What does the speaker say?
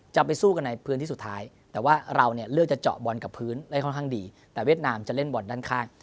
จะไปสู้กันในพื้นที่สุดท้ายแต่ว่าเราเนี่ยเลือกจะเจาะบอลกับพื้นได้ค่อนข้างดีแต่เวียดนามจะเล่นบอลด้านข้าง